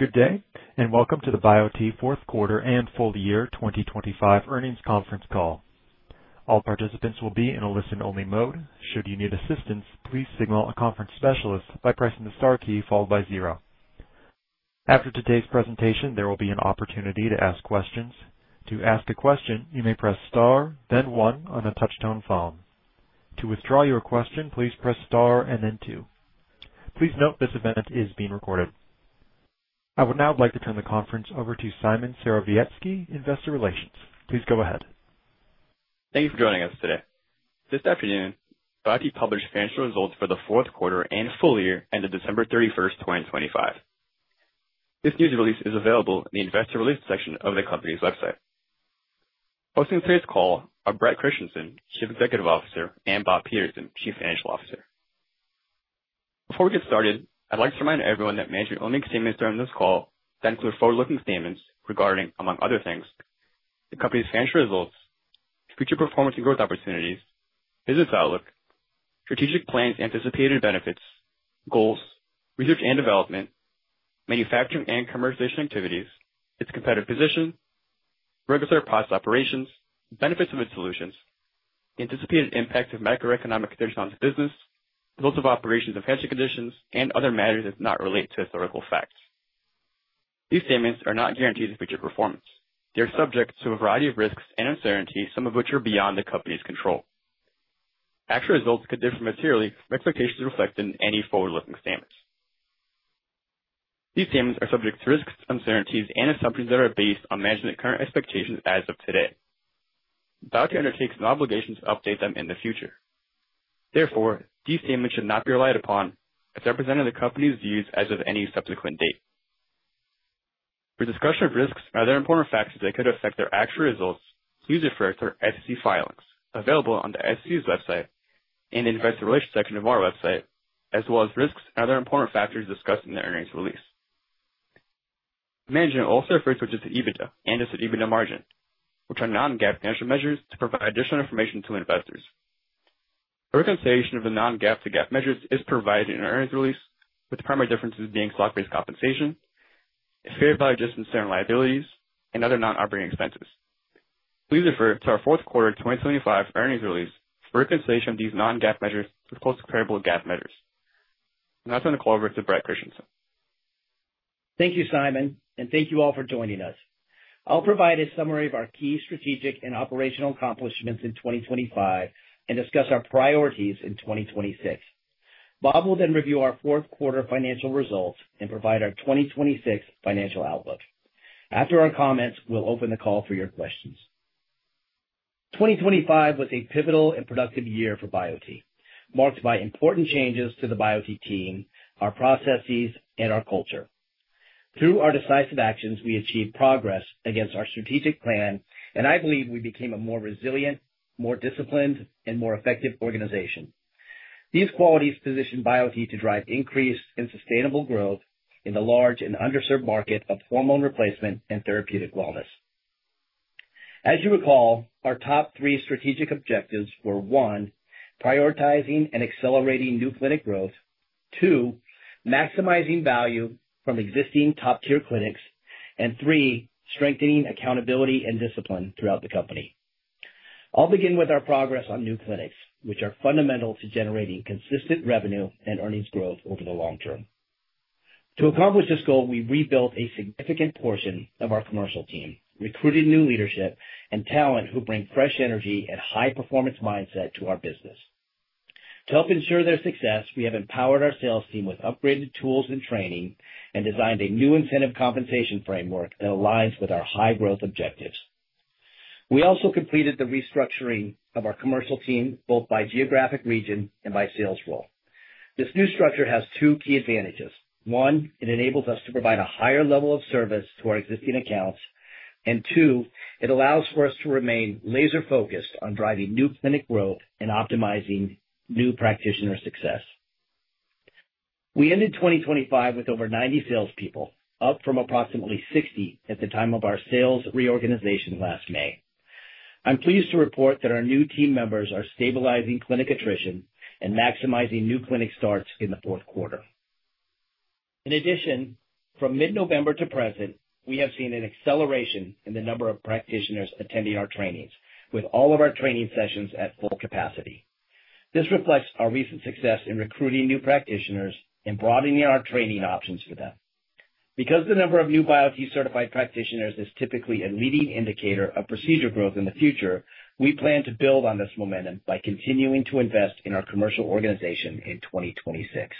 Good day, and welcome to the Biote fourth quarter and full-year 2025 earnings conference call. All participants will be in a listen-only mode. Should you need assistance, please signal a conference specialist by pressing the star key followed by zero. After today's presentation, there will be an opportunity to ask questions. To ask a question, you may press star, then one on a touch-tone phone. To withdraw your question, please press star and then two. Please note this event is being recorded. I would now like to turn the conference over to Szymon Serowiecki, Investor Relations. Please go ahead. Thank you for joining us today. This afternoon, Biote published financial results for the fourth quarter and full-year ended December 31, 2025. This news release is available in the Investor Relations section of the company's website. Hosting today's call are Bret Christensen, Chief Executive Officer, and Bob Peterson, Chief Financial Officer. Before we get started, I'd like to remind everyone that management only statements during this call that include forward-looking statements regarding, among other things, the company's financial results, future performance and growth opportunities, business outlook, strategic plans, anticipated benefits, goals, research and development, manufacturing and commercialization activities, its competitive position, regulatory process operations, benefits of its solutions, anticipated impact of macroeconomic conditions on its business, results of operations in hardship conditions and other matters that not relate to historical facts. These statements are not guarantees of future performance. They are subject to a variety of risks and uncertainties, some of which are beyond the company's control. Actual results could differ materially from expectations reflected in any forward-looking statements. These statements are subject to risks, uncertainties and assumptions that are based on management's current expectations as of today. Biote undertakes no obligation to update them in the future. Therefore, these statements should not be relied upon as representative of the company's views as of any subsequent date. For a discussion of risks and other important factors that could affect their actual results, please refer to our SEC filings available on the SEC's website and Investor Relations section of our website, as well as risks and other important factors discussed in the earnings release. Management also refers to adjusted EBITDA and adjusted EBITDA margin, which are non-GAAP financial measures to provide additional information to investors. Reconciliation of the non-GAAP to GAAP measures is provided in our earnings release, with the primary differences being stock-based compensation, fair value adjustments to certain liabilities and other non-operating expenses. Please refer to our fourth quarter 2025 earnings release for a reconciliation of these non-GAAP measures with most comparable GAAP measures. Now I turn the call over to Bret Christensen. Thank you, Szymon, and thank you all for joining us. I'll provide a summary of our key strategic and operational accomplishments in 2025 and discuss our priorities in 2026. Bob will then review our fourth quarter financial results and provide our 2026 financial outlook. After our comments, we'll open the call for your questions. 2025 was a pivotal and productive year for Biote, marked by important changes to the Biote team, our processes and our culture. Through our decisive actions, we achieved progress against our strategic plan, and I believe we became a more resilient, more disciplined and more effective organization. These qualities position Biote to drive increase in sustainable growth in the large and underserved market of hormone replacement and therapeutic wellness. As you recall, our top three strategic objectives were, one, prioritizing and accelerating new clinic growth. Two, maximizing value from existing top-tier clinics. Three, strengthening accountability and discipline throughout the company. I'll begin with our progress on new clinics, which are fundamental to generating consistent revenue and earnings growth over the long term. To accomplish this goal, we rebuilt a significant portion of our commercial team, recruited new leadership and talent who bring fresh energy and high-performance mindset to our business. To help ensure their success, we have empowered our sales team with upgraded tools and training and designed a new incentive compensation framework that aligns with our high-growth objectives. We also completed the restructuring of our commercial team, both by geographic region and by sales role. This new structure has two key advantages. One, it enables us to provide a higher level of service to our existing accounts. Two, it allows for us to remain laser-focused on driving new clinic growth and optimizing new practitioner success. We ended 2025 with over 90 salespeople, up from approximately 60 at the time of our sales reorganization last May. I'm pleased to report that our new team members are stabilizing clinic attrition and maximizing new clinic starts in the fourth quarter. In addition, from mid-November to present, we have seen an acceleration in the number of practitioners attending our trainings, with all of our training sessions at full capacity. This reflects our recent success in recruiting new practitioners and broadening our training options for them. Because the number of new Biote certified practitioners is typically a leading indicator of procedure growth in the future, we plan to build on this momentum by continuing to invest in our commercial organization in 2026.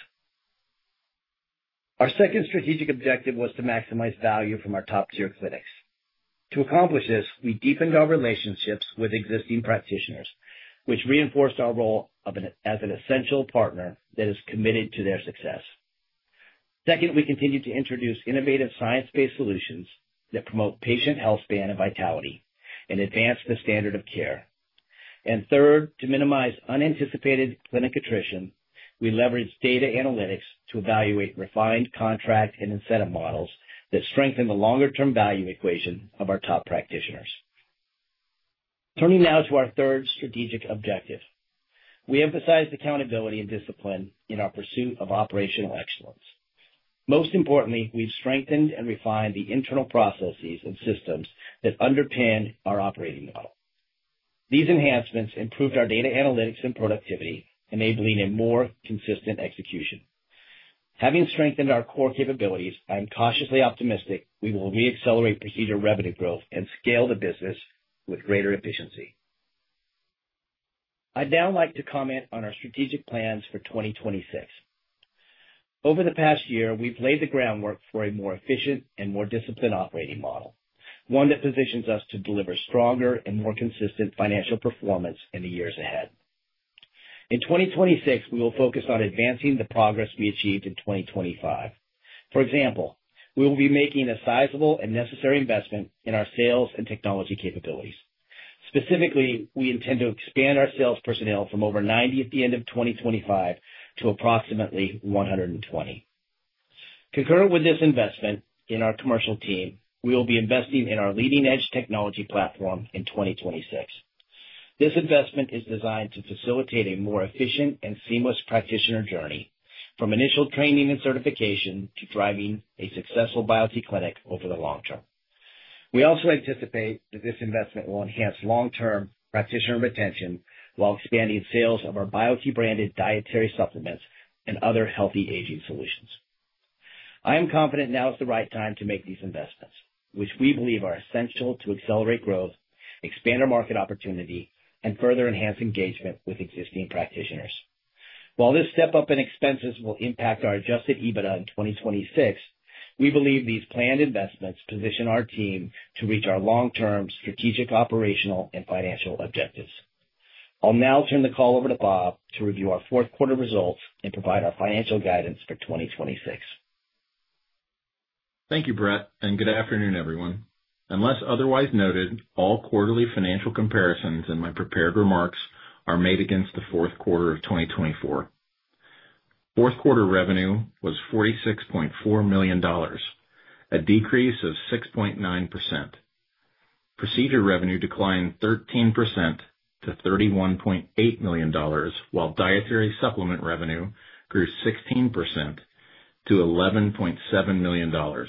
Our second strategic objective was to maximize value from our top-tier clinics. To accomplish this, we deepened our relationships with existing practitioners, which reinforced our role as an essential partner that is committed to their success. Second, we continued to introduce innovative science-based solutions that promote patient health span and vitality and advance the standard of care. Third, to minimize unanticipated clinic attrition, we leveraged data analytics to evaluate refined contract and incentive models that strengthen the longer-term value equation of our top practitioners. Turning now to our third strategic objective. We emphasize accountability and discipline in our pursuit of operational excellence. Most importantly, we've strengthened and refined the internal processes and systems that underpin our operating model. These enhancements improved our data analytics and productivity, enabling a more consistent execution. Having strengthened our core capabilities, I am cautiously optimistic we will re-accelerate procedure revenue growth and scale the business with greater efficiency. I'd now like to comment on our strategic plans for 2026. Over the past year, we've laid the groundwork for a more efficient and more disciplined operating model, one that positions us to deliver stronger and more consistent financial performance in the years ahead. In 2026, we will focus on advancing the progress we achieved in 2025. For example, we will be making a sizable and necessary investment in our sales and technology capabilities. Specifically, we intend to expand our sales personnel from over 90 at the end of 2025 to approximately 120. Concurrent with this investment in our commercial team, we will be investing in our leading-edge technology platform in 2026. This investment is designed to facilitate a more efficient and seamless practitioner journey, from initial training and certification to driving a successful Biote clinic over the long term. We also anticipate that this investment will enhance long-term practitioner retention while expanding sales of our Biote branded dietary supplements and other healthy aging solutions. I am confident now is the right time to make these investments, which we believe are essential to accelerate growth, expand our market opportunity, and further enhance engagement with existing practitioners. While this step up in expenses will impact our adjusted EBITDA in 2026, we believe these planned investments position our team to reach our long-term strategic, operational, and financial objectives. I'll now turn the call over to Bob to review our fourth quarter results and provide our financial guidance for 2026. Thank you, Bret, and good afternoon, everyone. Unless otherwise noted, all quarterly financial comparisons in my prepared remarks are made against the fourth quarter of 2024. Fourth quarter revenue was $46.4 million, a decrease of 6.9%. Procedure revenue declined 13% to $31.8 million, while dietary supplement revenue grew 16% to $11.7 million.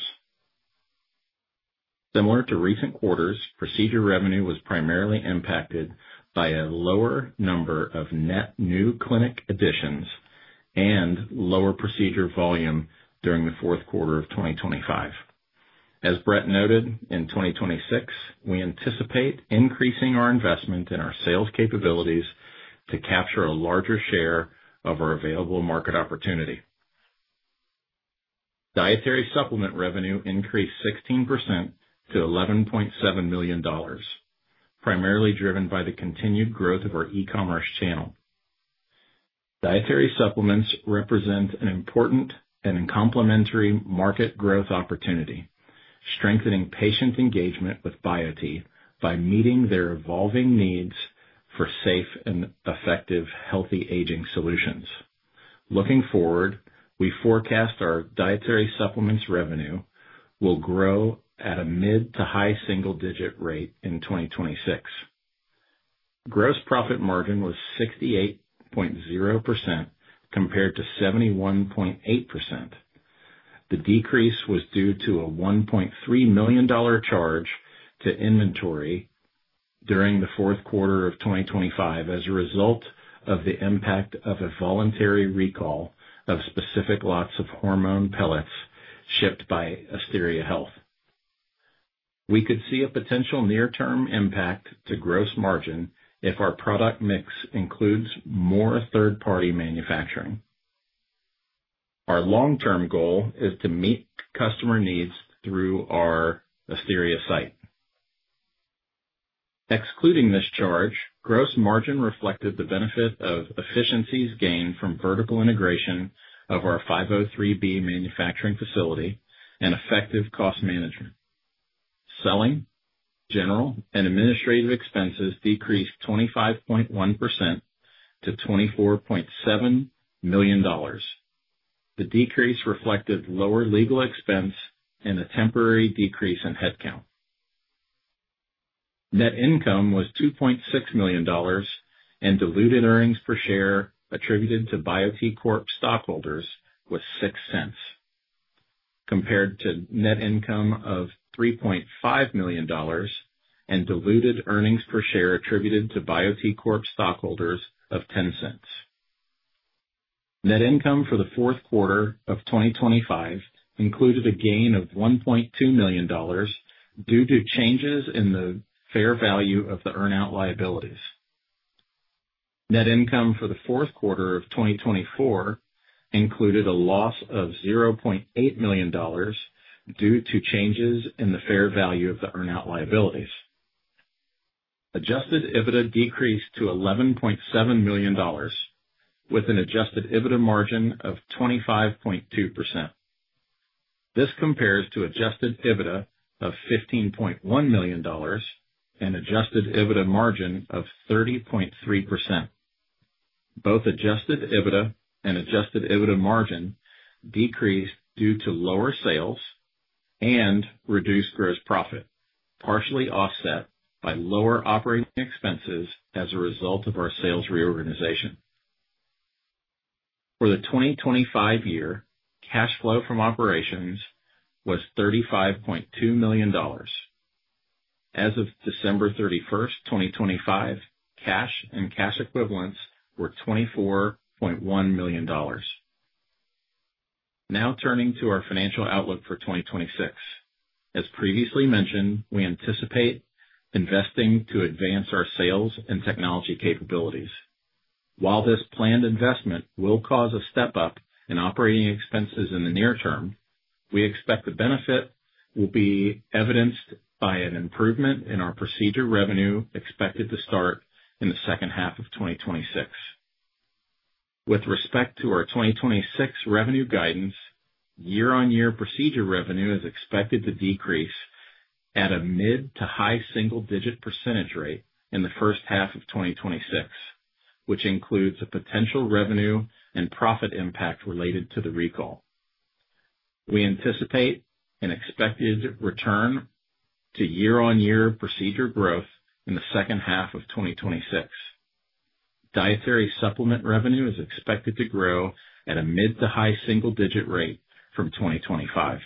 Similar to recent quarters, procedure revenue was primarily impacted by a lower number of net new clinic additions and lower procedure volume during the fourth quarter of 2025. As Bret noted, in 2026, we anticipate increasing our investment in our sales capabilities to capture a larger share of our available market opportunity. Dietary supplement revenue increased 16% to $11.7 million, primarily driven by the continued growth of our e-commerce channel. Dietary supplements represent an important and complementary market growth opportunity, strengthening patient engagement with Biote by meeting their evolving needs for safe and effective healthy aging solutions. Looking forward, we forecast our dietary supplements revenue will grow at a mid to high-single-digit rate in 2026. Gross profit margin was 68.0% compared to 71.8%. The decrease was due to a $1.3 million charge to inventory during the fourth quarter of 2025 as a result of the impact of a voluntary recall of specific lots of hormone pellets shipped by Asteria Health. We could see a potential near-term impact to gross margin if our product mix includes more third-party manufacturing. Our long-term goal is to meet customer needs through our Asteria site. Excluding this charge, gross margin reflected the benefit of efficiencies gained from vertical integration of our 503B manufacturing facility and effective cost management. Selling, general, and administrative expenses decreased 25.1% to $24.7 million. The decrease reflected lower legal expense and a temporary decrease in headcount. Net income was $2.6 million and diluted earnings per share attributed to Biote Corp. stockholders was $0.06, compared to net income of $3.5 million and diluted earnings per share attributed to Biote Corp. stockholders of $0.10. Net income for the fourth quarter of 2025 included a gain of $1.2 million due to changes in the fair value of the earn-out liabilities. Net income for the fourth quarter of 2024 included a loss of $0.8 million due to changes in the fair value of the earn-out liabilities. Adjusted EBITDA decreased to $11.7 million with an adjusted EBITDA margin of 25.2%. This compares to adjusted EBITDA of $15.1 million and adjusted EBITDA margin of 30.3%. Both adjusted EBITDA and adjusted EBITDA margin decreased due to lower sales and reduced gross profit, partially offset by lower operating expenses as a result of our sales reorganization. For the 2025 year, cash flow from operations was $35.2 million. As of December 31, 2025, cash and cash equivalents were $24.1 million. Now turning to our financial outlook for 2026. As previously mentioned, we anticipate investing to advance our sales and technology capabilities. While this planned investment will cause a step-up in operating expenses in the near term, we expect the benefit will be evidenced by an improvement in our procedure revenue expected to start in the second half of 2026. With respect to our 2026 revenue guidance, year-on-year procedure revenue is expected to decrease at a mid to high-single-digit percentage rate in the first half of 2026, which includes a potential revenue and profit impact related to the recall. We anticipate an expected return to year-on-year procedure growth in the second half of 2026. Dietary supplement revenue is expected to grow at a mid to high-single-digit rate from 2025.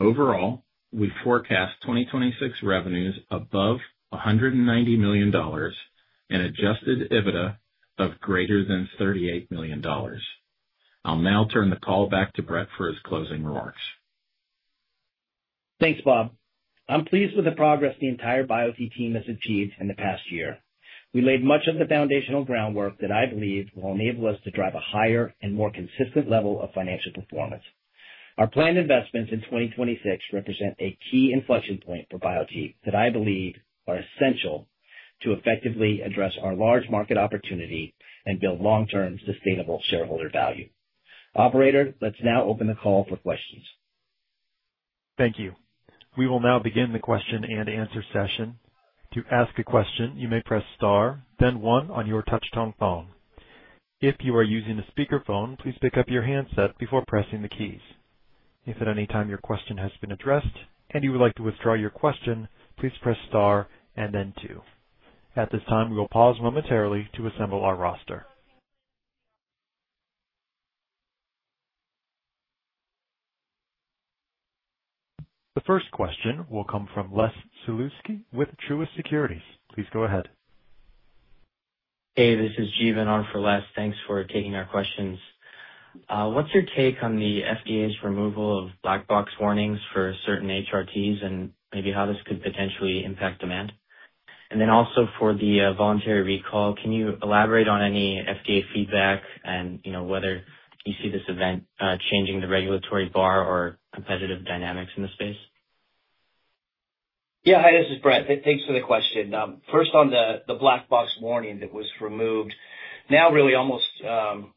Overall, we forecast 2026 revenues above $190 million and adjusted EBITDA of greater than $38 million. I'll now turn the call back to Bret for his closing remarks. Thanks, Bob. I'm pleased with the progress the entire Biote team has achieved in the past year. We laid much of the foundational groundwork that I believe will enable us to drive a higher and more consistent level of financial performance. Our planned investments in 2026 represent a key inflection point for Biote that I believe are essential to effectively address our large market opportunity and build long-term sustainable shareholder value. Operator, let's now open the call for questions. Thank you. We will now begin the question-and-answer session. To ask a question, you may press star then one on your touch-tone phone. If you are using a speakerphone, please pick up your handset before pressing the keys. If at any time your question has been addressed and you would like to withdraw your question, please press star and then two. At this time, we will pause momentarily to assemble our roster. The first question will come from Les Sulewski with Truist Securities. Please go ahead. Hey, this is Jeevan on for Les. Thanks for taking our questions. What's your take on the FDA's removal of black box warnings for certain HRTs and maybe how this could potentially impact demand? Also for the voluntary recall, can you elaborate on any FDA feedback and, you know, whether you see this event changing the regulatory bar or competitive dynamics in the space? Yeah. Hi, this is Bret. Thanks for the question. First on the black box warning that was removed now really almost,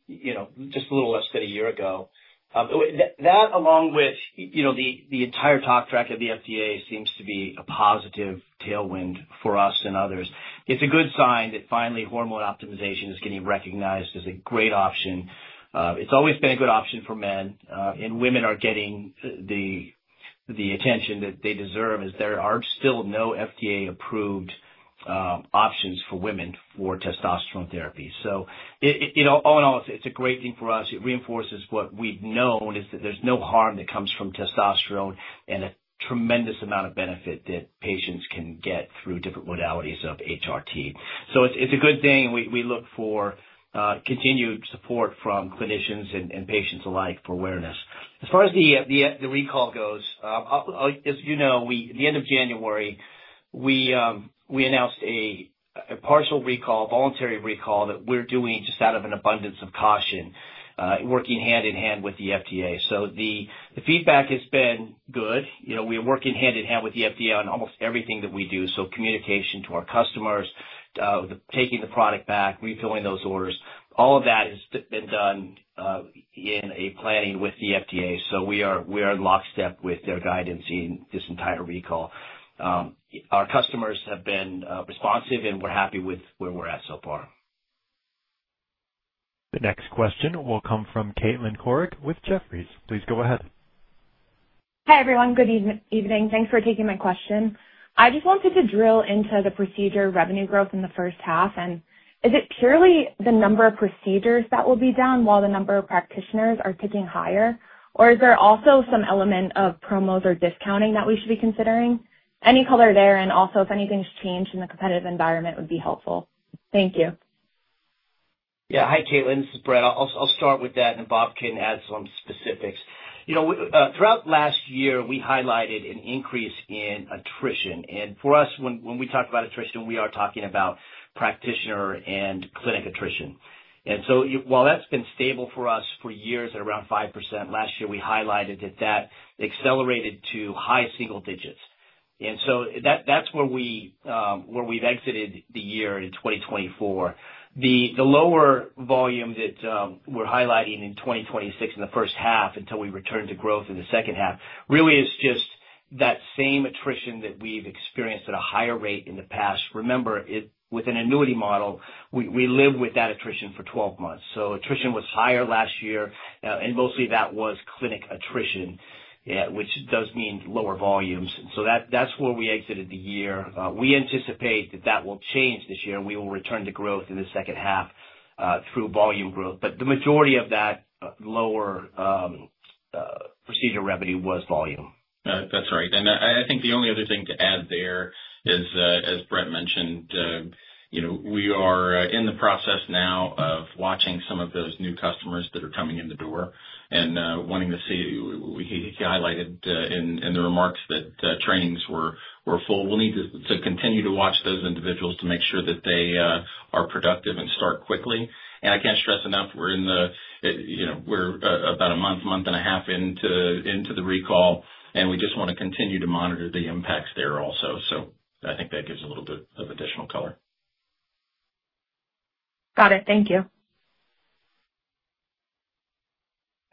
you know, just a little less than a year ago. That along with, you know, the entire talk track of the FDA seems to be a positive tailwind for us and others. It's a good sign that finally hormone optimization is getting recognized as a great option. It's always been a good option for men, and women are getting the attention that they deserve, as there are still no FDA-approved options for women for testosterone therapy. It, you know, all in all, it's a great thing for us. It reinforces what we've known is that there's no harm that comes from testosterone and a tremendous amount of benefit that patients can get through different modalities of HRT. It's a good thing, and we look for continued support from clinicians and patients alike for awareness. As far as the recall goes, as you know, at the end of January, we announced a partial recall, voluntary recall that we're doing just out of an abundance of caution, working hand in hand with the FDA. The feedback has been good. You know, we are working hand in hand with the FDA on almost everything that we do. Communication to our customers, the taking the product back, refilling those orders, all of that has been done in planning with the FDA. We are in lockstep with their guidance in this entire recall. Our customers have been responsive, and we're happy with where we're at so far. The next question will come from Kaitlyn Korich with Jefferies. Please go ahead. Hi, everyone. Good evening. Thanks for taking my question. I just wanted to drill into the procedure revenue growth in the first half, and is it purely the number of procedures that will be done while the number of practitioners are ticking higher, or is there also some element of promos or discounting that we should be considering? Any color there, and also if anything's changed in the competitive environment would be helpful. Thank you. Yeah. Hi, Kaitlyn, this is Bret. I'll start with that, and Bob can add some specifics. You know, throughout last year, we highlighted an increase in attrition. For us, when we talk about attrition, we are talking about practitioner and clinic attrition. While that's been stable for us for years at around 5%, last year, we highlighted that that accelerated to high single digits. That's where we've exited the year in 2024. The lower volume that we're highlighting in 2026 in the first half until we return to growth in the second half really is just that same attrition that we've experienced at a higher rate in the past. Remember, with an annuity model, we live with that attrition for 12 months. Attrition was higher last year. Mostly that was clinic attrition, which does mean lower volumes. That's where we exited the year. We anticipate that will change this year, and we will return to growth in the second half, through volume growth. The majority of that lower procedure revenue was volume. That's right. I think the only other thing to add there is, as Bret mentioned, you know, we are in the process now of watching some of those new customers that are coming in the door and wanting to see, he highlighted in the remarks that trainings were full. We'll need to continue to watch those individuals to make sure that they are productive and start quickly. I can't stress enough, we're in the you know, we're about a month and a half into the recall, and we just wanna continue to monitor the impacts there also. I think that gives a little bit of additional color. Got it. Thank you.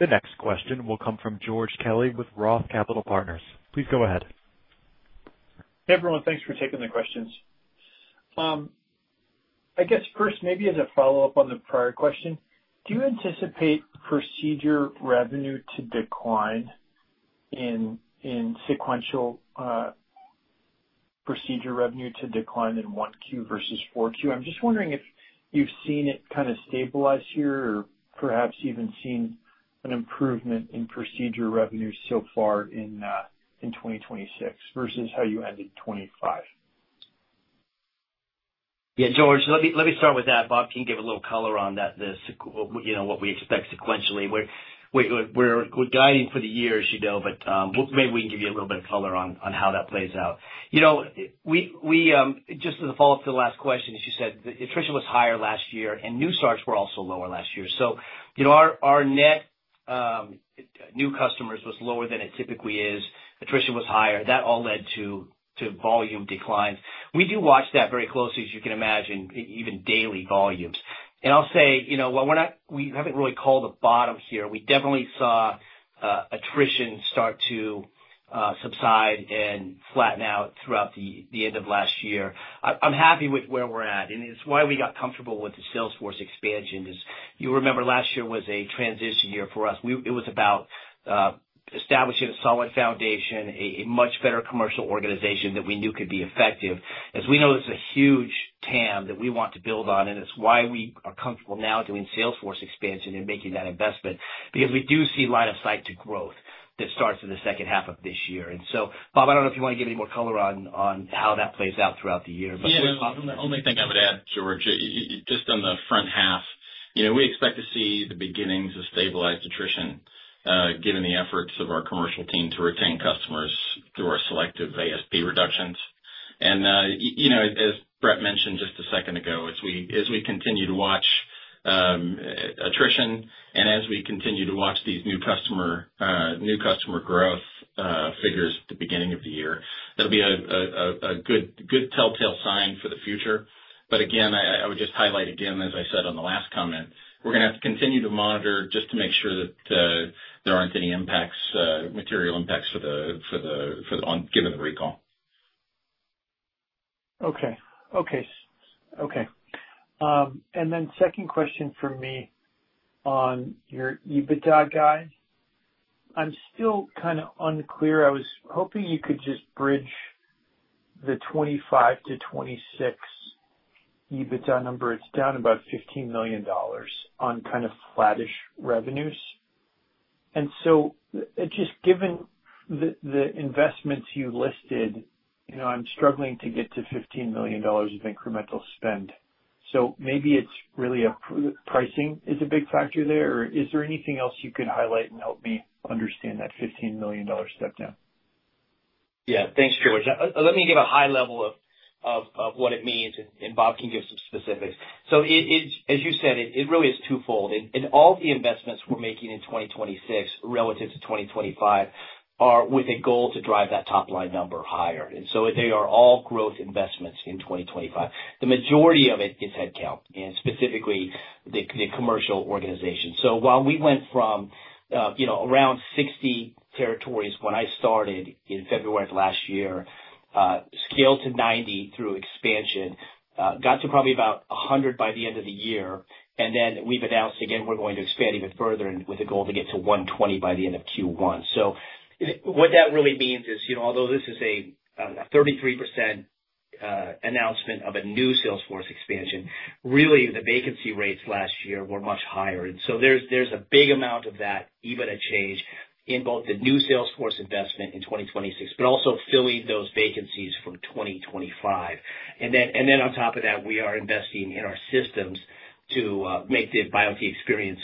The next question will come from George Kelly with ROTH Capital Partners. Please go ahead. Hey, everyone. Thanks for taking the questions. I guess first, maybe as a follow-up on the prior question, do you anticipate procedure revenue to decline in 1Q versus 4Q? I'm just wondering if you've seen it kind of stabilize here or perhaps even seen an improvement in procedure revenue so far in 2026 versus how you ended 2025. Yeah, George, let me start with that. Bob can give a little color on that, what we expect sequentially. We're guiding for the year, as you know, but we'll maybe we can give you a little bit of color on how that plays out. You know, we just as a follow-up to the last question, as you said, the attrition was higher last year, and new starts were also lower last year. You know, our net new customers was lower than it typically is. Attrition was higher. That all led to volume declines. We do watch that very closely, as you can imagine, even daily volumes. I'll say, you know, while we're not, we haven't really called a bottom here. We definitely saw attrition start to subside and flatten out throughout the end of last year. I'm happy with where we're at, and it's why we got comfortable with the sales force expansion. You remember, last year was a transition year for us. It was about establishing a solid foundation, a much better commercial organization that we knew could be effective. As we know, there's a huge TAM that we want to build on, and it's why we are comfortable now doing sales force expansion and making that investment because we do see line of sight to growth that starts in the second half of this year. Bob, I don't know if you wanna give any more color on how that plays out throughout the year, but. Yeah. The only thing I would add, George, just on the front half, you know, we expect to see the beginnings of stabilized attrition, given the efforts of our commercial team to retain customers through our selective ASP reductions. You know, as Bret mentioned just a second ago, as we continue to watch attrition and as we continue to watch these new customer growth figures at the beginning of the year, that'll be a good telltale sign for the future. Again, I would just highlight again, as I said on the last comment, we're gonna have to continue to monitor just to make sure that there aren't any impacts, material impacts on, given the recall. Okay. Second question from me on your EBITDA guide. I'm still kinda unclear. I was hoping you could just bridge the $25 million-$26 million EBITDA number. It's down about $15 million on kind of flattish revenues. Just given the investments you listed, you know, I'm struggling to get to $15 million of incremental spend. Maybe it's really pricing is a big factor there, or is there anything else you can highlight and help me understand that $15 million step down? Yeah. Thanks, George. Let me give a high level of what it means, and Bob can give some specifics. It is as you said, it really is twofold. All the investments we're making in 2026 relative to 2025 are with a goal to drive that top-line number higher. They are all growth investments in 2025. The majority of it is headcount, and specifically the commercial organization. While we went from, you know, around 60 territories when I started in February of last year, scaled to 90 through expansion, got to probably about 100 by the end of the year, and then we've announced again we're going to expand even further and with a goal to get to 120 by the end of Q1. What that really means is, you know, although this is a 33% announcement of a new sales force expansion, really, the vacancy rates last year were much higher. There's a big amount of that EBITDA change in both the new sales force investment in 2026, but also filling those vacancies from 2025. On top of that, we are investing in our systems to make the Biote experience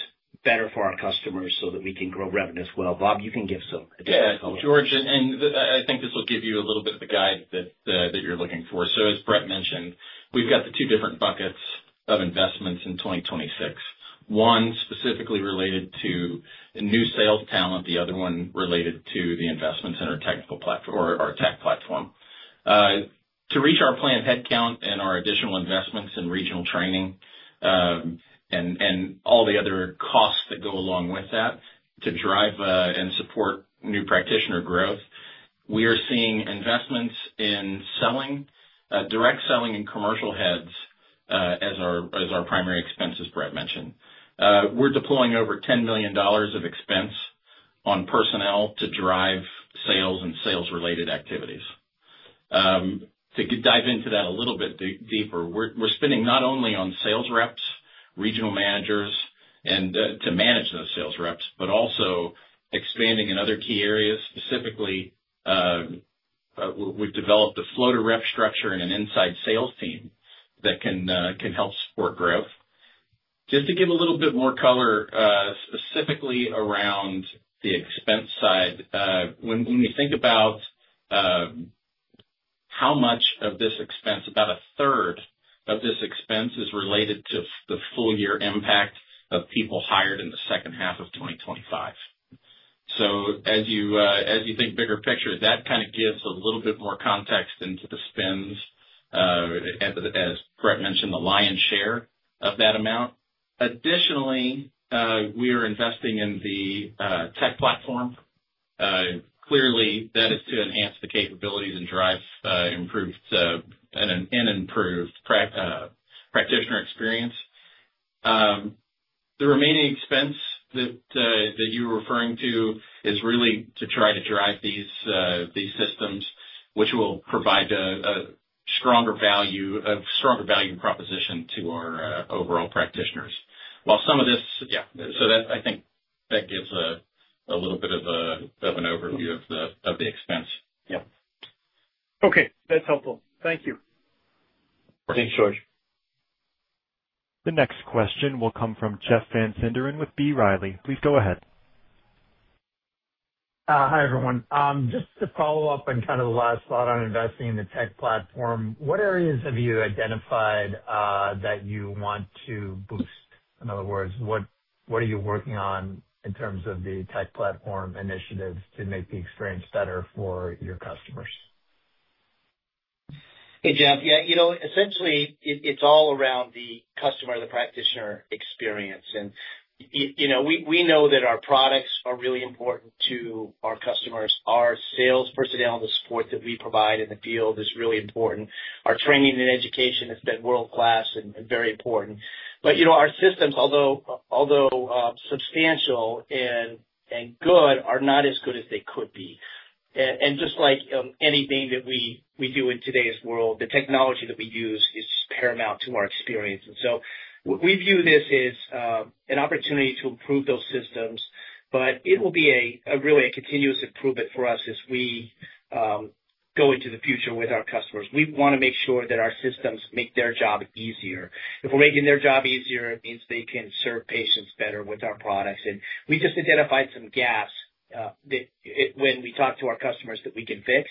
better for our customers so that we can grow revenue as well. Bob, you can give some additional color. Yeah. George, I think this will give you a little bit of the guide that you're looking for. As Bret mentioned, we've got the two different buckets of investments in 2026. One specifically related to the new sales talent, the other one related to the investments in our tech platform. To reach our planned headcount and our additional investments in regional training, all the other costs that go along with that to drive, and support new practitioner growth, we are seeing investments in selling, direct selling and commercial heads, as our primary expense, as Bret mentioned. We're deploying over $10 million of expense on personnel to drive sales and sales-related activities. To dive into that a little bit deeper, we're spending not only on sales reps, regional managers, and to manage those sales reps, but also expanding in other key areas. Specifically, we've developed a floater rep structure and an inside sales team that can help support growth. Just to give a little bit more color, specifically around the expense side, when you think about how much of this expense, about a third of this expense is related to the full-year impact of people hired in the second half of 2025. As you think bigger picture, that kind of gives a little bit more context into the spends, as Bret mentioned, the lion's share of that amount. Additionally, we are investing in the tech platform. Clearly, that is to enhance the capabilities and drive an improved practitioner experience. The remaining expense that you're referring to is really to try to drive these systems, which will provide a stronger value proposition to our overall practitioners. While some of this. Yeah. That, I think, gives a little bit of an overview of the expense. Yeah. Okay. That's helpful. Thank you. Thanks, George. The next question will come from Jeff Van Sinderen with B. Riley. Please go ahead. Hi, everyone. Just to follow up on kind of the last thought on investing in the tech platform, what areas have you identified that you want to boost? In other words, what are you working on in terms of the tech platform initiatives to make the experience better for your customers? Hey, Jeff. Yeah, you know, essentially it's all around the customer, the practitioner experience. You know, we know that our products are really important to our customers. Our sales personnel, and the support that we provide in the field is really important. Our training and education has been world-class and very important. You know, our systems, although substantial and good, are not as good as they could be. And just like anything that we do in today's world, the technology that we use is paramount to our experience. We view this as an opportunity to improve those systems, but it will be a really continuous improvement for us as we go into the future with our customers. We wanna make sure that our systems make their job easier. If we're making their job easier, it means they can serve patients better with our products. We just identified some gaps that when we talk to our customers that we can fix.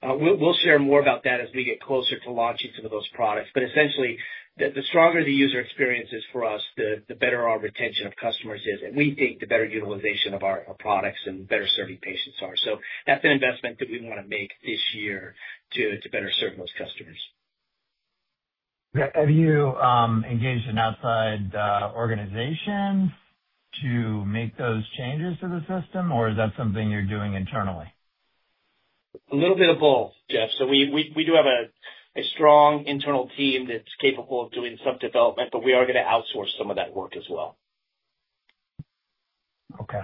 We'll share more about that as we get closer to launching some of those products. Essentially, the stronger the user experience is for us, the better our retention of customers is, and we think the better utilization of our products and better serving patients are. That's an investment that we wanna make this year to better serve those customers. Have you engaged an outside organization to make those changes to the system, or is that something you're doing internally? A little bit of both, Jeff. We do have a strong internal team that's capable of doing some development, but we are gonna outsource some of that work as well. Okay.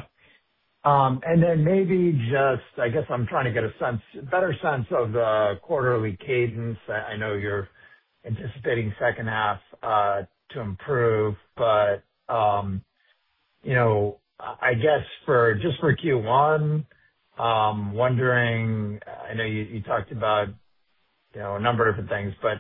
Maybe just, I guess, I'm trying to get a better sense of the quarterly cadence. I know you're anticipating second half to improve, but you know, I guess just for Q1, wondering, I know you talked about, you know, a number of things, but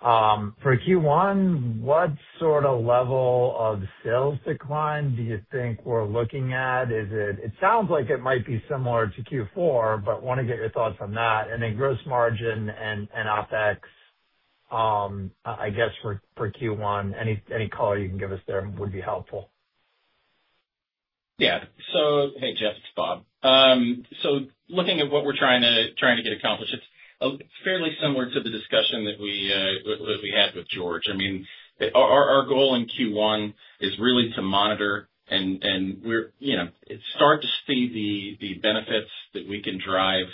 for Q1, what sort of level of sales decline do you think we're looking at? Is it? It sounds like it might be similar to Q4, but wanna get your thoughts on that. Gross margin and OpEx, I guess for Q1, any color you can give us there would be helpful. Yeah. Hey, Jeff, it's Bob. Looking at what we're trying to get accomplished, it's fairly similar to the discussion that we had with George. I mean, our goal in Q1 is really to monitor and, you know, start to see the benefits that we can drive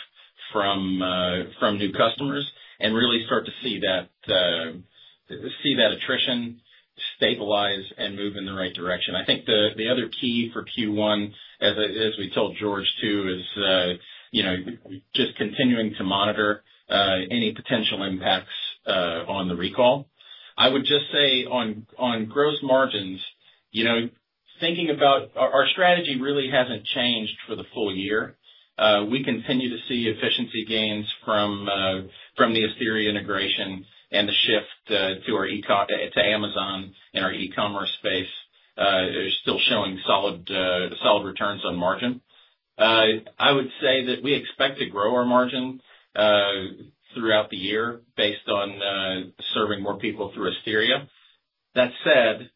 from new customers and really start to see that attrition stabilize and move in the right direction. I think the other key for Q1, as we told George too, is you know just continuing to monitor any potential impacts on the recall. I would just say on gross margins, you know, thinking about. Our strategy really hasn't changed for the full-year. We continue to see efficiency gains from the Asteria integration and the shift to Amazon and our e-commerce space is still showing solid returns on margin. I would say that we expect to grow our margin throughout the year based on serving more people through Asteria. That said,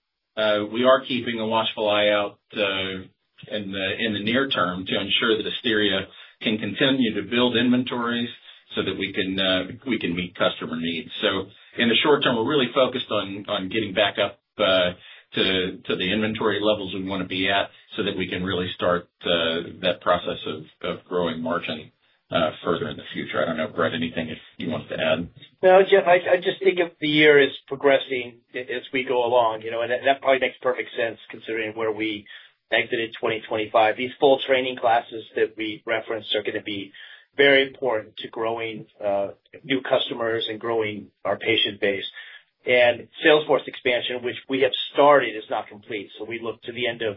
we are keeping a watchful eye out in the near term to ensure that Asteria can continue to build inventories so that we can meet customer needs. In the short term, we're really focused on getting back up to the inventory levels we wanna be at so that we can really start that process of growing margin further in the future. I don't know, Bret, anything you want to add? No, Jeff, I just think that the year is progressing as we go along, you know. That probably makes perfect sense considering where we exited 2025. These full training classes that we referenced are gonna be very important to growing new customers and growing our patient base. Sales force expansion, which we have started, is not complete, so we look to the end of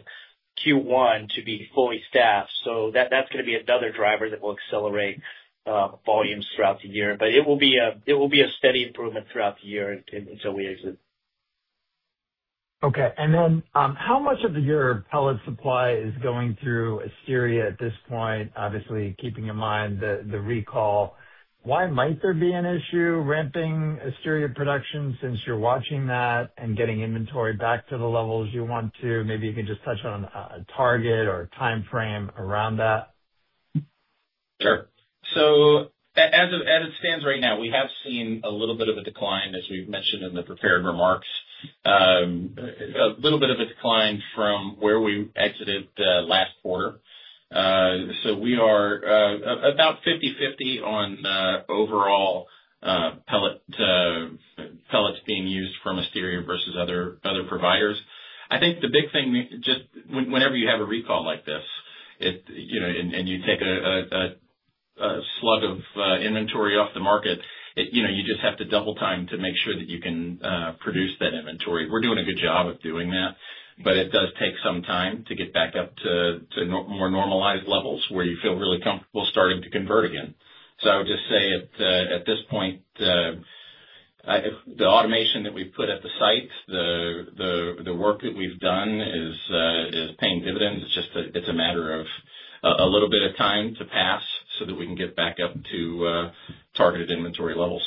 Q1 to be fully staffed. That's gonna be another driver that will accelerate volumes throughout the year. It will be a steady improvement throughout the year until we exit. Okay. How much of your pellet supply is going through Asteria at this point? Obviously, keeping in mind the recall. Why might there be an issue ramping Asteria production since you're watching that and getting inventory back to the levels you want to? Maybe you can just touch on a target or timeframe around that. Sure. As of, as it stands right now, we have seen a little bit of a decline, as we've mentioned in the prepared remarks. A little bit of a decline from where we exited last quarter. We are about 50/50 on overall pellets being used from Asteria versus other providers. I think the big thing just when, whenever you have a recall like this, it, you know, and you take a slug of inventory off the market, it, you know, you just have to double time to make sure that you can produce that inventory. We're doing a good job of doing that, but it does take some time to get back up to more normalized levels where you feel really comfortable starting to convert again. I would just say at this point the automation that we've put at the site, the work that we've done is paying dividends. It's just a matter of a little bit of time to pass so that we can get back up to targeted inventory levels.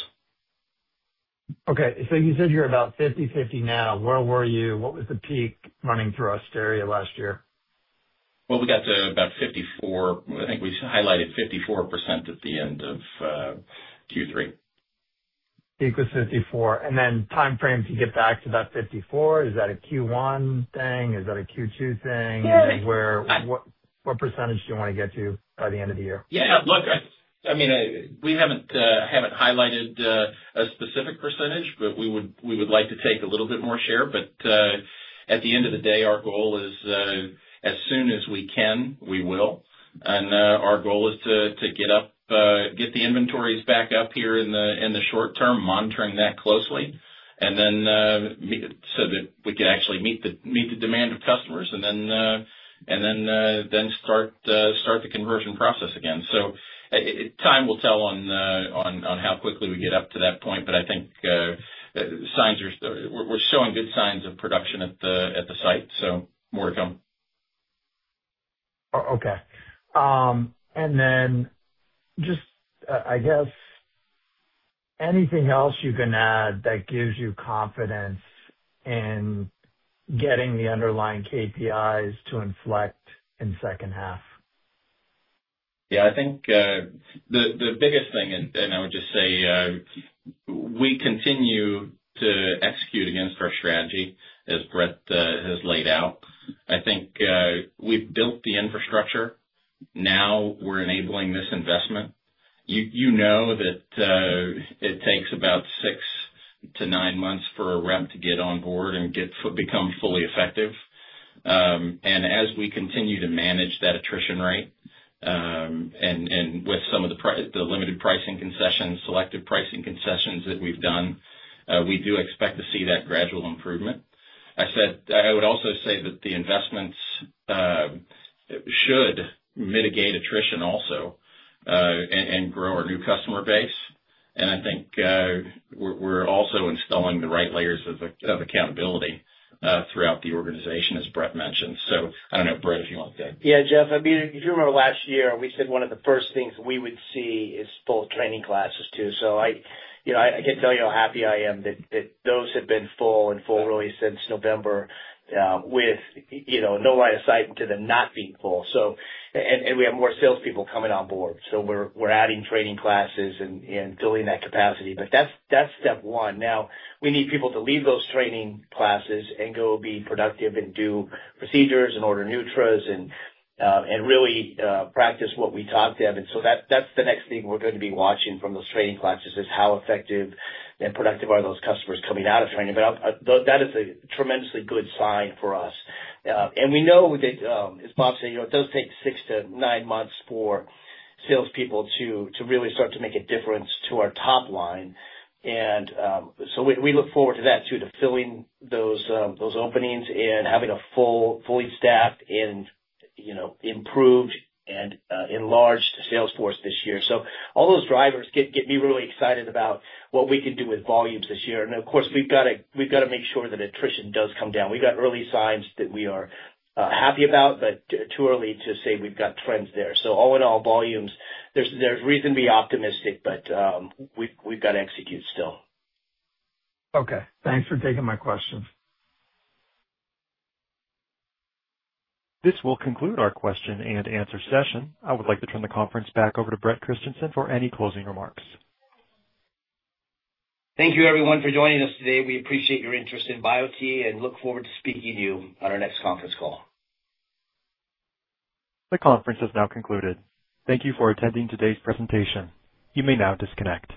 Okay. You said you're about 50/50 now. Where were you? What was the peak running through Asteria last year? Well, we got to about 54%. I think we highlighted 54% at the end of Q3. Peak was 54%. Timeframe to get back to that 54%, is that a Q1 thing? Is that a Q2 thing? Yeah. What percentage do you wanna get to by the end of the year? Yeah. Look, I mean, we haven't highlighted a specific percentage, but we would like to take a little bit more share. At the end of the day, our goal is, as soon as we can, we will. Our goal is to get the inventories back up here in the short term, monitoring that closely, and then meet it so that we can actually meet the demand of customers and then start the conversion process again. Time will tell on how quickly we get up to that point. I think we're showing good signs of production at the site, so more to come. Okay. Just, I guess anything else you can add that gives you confidence in getting the underlying KPIs to inflect in second half? Yeah, I think the biggest thing, and I would just say we continue to execute against our strategy as Bret has laid out. I think we've built the infrastructure. Now we're enabling this investment. You know that it takes about six to nine months for a rep to get on board and become fully effective. And as we continue to manage that attrition rate, and with some of the limited pricing concessions, selective pricing concessions that we've done, we do expect to see that gradual improvement. I would also say that the investments should mitigate attrition also, and grow our new customer base. I think we're also installing the right layers of accountability throughout the organization, as Bret mentioned. I don't know, Bret, if you want to- Yeah, Jeff. I mean, if you remember last year, we said one of the first things we would see is full training classes too. You know, I can't tell you how happy I am that those have been full really since November, with you know no line of sight to them not being full. We have more salespeople coming on board, so we're adding training classes and building that capacity. That's step one. Now, we need people to leave those training classes and go be productive and do procedures and order nutraceuticals and really practice what we taught them. That's the next thing we're gonna be watching from those training classes is how effective and productive are those customers coming out of training. That is a tremendously good sign for us. We know that, as Bob said, you know, it does take six to nine months for salespeople to really start to make a difference to our top line. We look forward to that too, to filling those openings and having a fully staffed and, you know, improved and enlarged sales force this year. All those drivers get me really excited about what we can do with volumes this year. Of course, we've gotta make sure that attrition does come down. We've got early signs that we are happy about, but too early to say we've got trends there. All in all, volumes, there's reason to be optimistic, but we've gotta execute still. Okay. Thanks for taking my questions. This will conclude our question-and-answer session. I would like to turn the conference back over to Bret Christensen for any closing remarks. Thank you everyone for joining us today. We appreciate your interest in Biote and look forward to speaking to you on our next conference call. The conference has now concluded. Thank you for attending today's presentation. You may now disconnect.